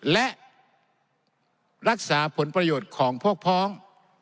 และรักษาผลประโยชน์ของพวกพ้อง